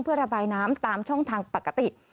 เพื่อระบายน้ำตามช่องทางปกติ